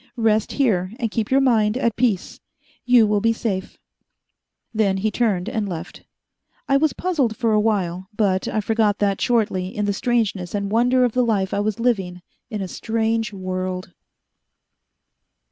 Rest here, and keep your mind at peace. You will be safe." Then he turned and left. I was puzzled for a while, but I forgot that shortly in the strangeness and wonder of the life I was living in a strange world....